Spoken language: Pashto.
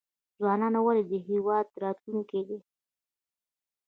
ځوانان ولې د هیواد راتلونکی دی؟